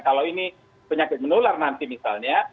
kalau ini penyakit menular nanti misalnya